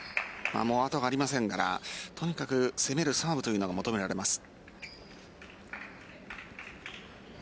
後がありませんから、とにかく攻めるサーブが求められます。